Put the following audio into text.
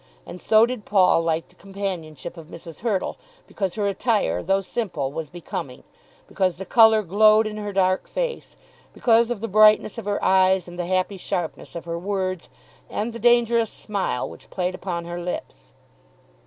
And so did Paul like the companionship of Mrs. Hurtle because her attire, though simple, was becoming; because the colour glowed in her dark face; because of the brightness of her eyes, and the happy sharpness of her words, and the dangerous smile which played upon her lips.